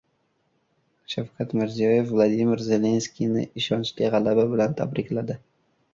Shavkat Mirziyoyev Vladimir Zelenskiyni ishonchli g‘alaba bilan tabrikladi